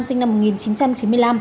sinh năm một nghìn chín trăm chín mươi năm